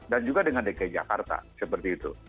dan juga dengan dki jakarta seperti itu